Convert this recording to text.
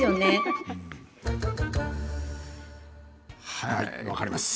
はい、分かります。